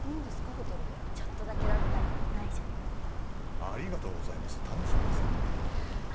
ホテルでちょっとだけだったら内緒でありがとうございます楽しみですあ